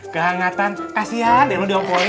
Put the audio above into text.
kehangatan kasihan ya lo diangkori